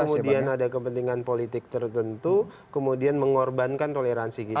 kemudian ada kepentingan politik tertentu kemudian mengorbankan toleransi kita